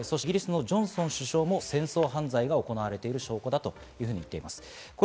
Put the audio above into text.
イギリス、ジョンソン首相も戦争犯罪が行われている証拠だと言っています。